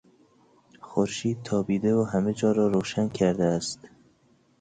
خورشید تابیده و همه جا را روشن کرده است.